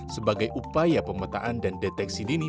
sebagai upaya pemetaan dan deteksi dini